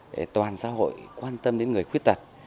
để toàn xã hội quan tâm đến người khuyết tật